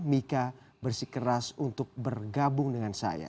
mika bersikeras untuk bergabung dengan saya